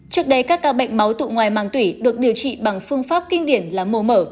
trước đây các ca bệnh máu tụ ngoài màng tủy được điều trị bằng phương pháp kinh điển là mồ mở